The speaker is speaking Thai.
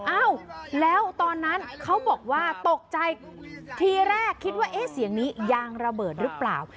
เอ้าแล้วตอนนั้นเขาบอกว่าตกใจทีแรกคิดว่าเอ๊ะเสียงนี้ยางระเบิดหรือเปล่า